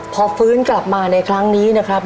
พอฟื้นกลับมาในครั้งนี้นะครับ